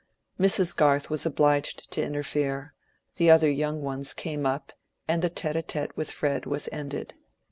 Mrs. Garth was obliged to interfere, the other young ones came up and the tête à tête with Fred was ended.